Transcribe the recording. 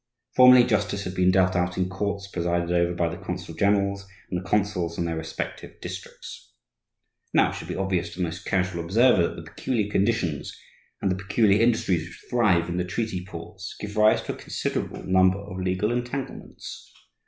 Formerly, justice had been dealt out in courts presided over by the consul generals and the consuls in their respective districts. Now it should be obvious to the most casual observer that the peculiar conditions and the peculiar industries which thrive in the treaty ports give rise to a considerable number of legal entanglements.